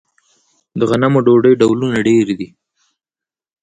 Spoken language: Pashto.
د غنمو ډوډۍ ډولونه ډیر دي.